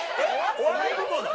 お笑い部門なの？